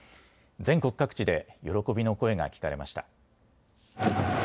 全国各地で喜びの声が聞かれました。